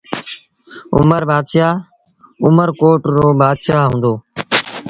اُمر بآتشآه اُمر ڪوٽ رو بآتشآه هُݩدو۔